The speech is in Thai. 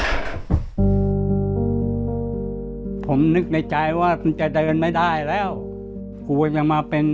ผมนึกในใจว่าคุณจะเดินไม่ได้แล้วกูก็ยังมาเป็น